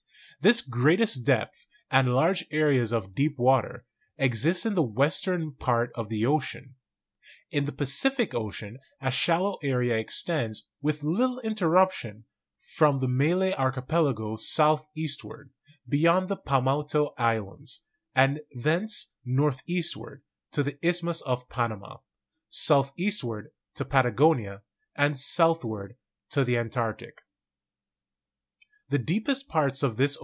This greatest depth, and large areas of deep water, exist in the western part of the ocean. In the Pacific Ocean, a shallow area extends, with little interruption, from the Malay Archipelago southeastward beyond the Paumotu Islands, and thence northeastward to the Isthmus of Panama, southeastward to Patagonia, and southward to the Antarctic.